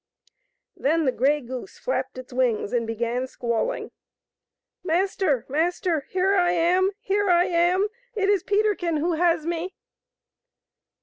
Then the grey goose flapped its wings and began squalling. " Master ! master ! Here I am ! here I am ! It is Peterkin who has me